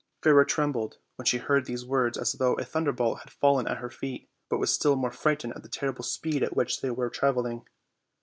Fairer trembled when she heard these words as though a thunderbolt had fallen at her feet, but was still more frightened at the terrible speed at which they were traveling.